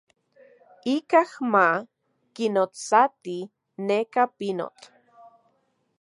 Ikaj ma kinotsati neka pinotl.